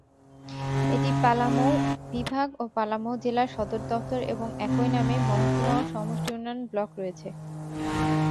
এটি পালামৌ বিভাগ ও পালামৌ জেলার সদর দফতর এবং একই নামে মহকুমা ও সমষ্টি উন্নয়ন ব্লক রয়েছে।